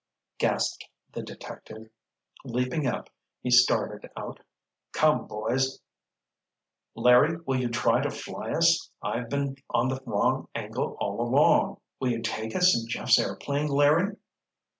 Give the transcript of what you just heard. gasped the detective—leaping up he started out. "Come, boys—Larry, will you try to fly us? I've been on the wrong angle all along. Will you take us in Jeff's airplane, Larry?"